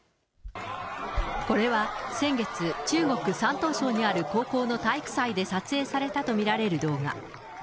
これは先月、中国・山東省にある高校の体育祭で撮影されたと見られる動画。